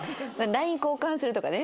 ＬＩＮＥ交換するとかね。